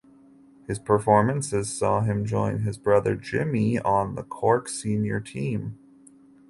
His performances saw him join his brother Jimmy on the Cork senior team.